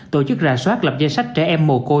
tổ chức rà soát lập danh sách trẻ em mù cô